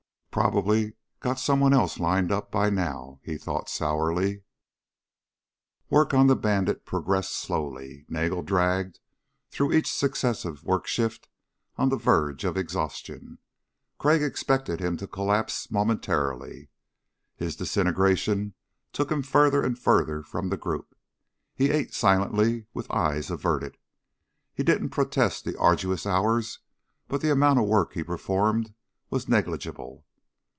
Probably got someone else lined up by now, he thought sourly. Work on Bandit progressed slowly. Nagel dragged through each successive work shift on the verge of exhaustion. Crag expected him to collapse momentarily. His disintegration took him further and further from the group. He ate silently, with eyes averted. He didn't protest the arduous hours, but the amount of work he performed was negligible.